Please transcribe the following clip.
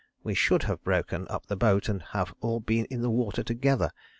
We should have broken up the boat and have all been in the water together.